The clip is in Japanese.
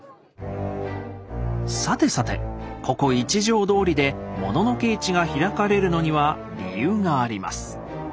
さてさてここ一条通でモノノケ市が開かれるのには理由があります。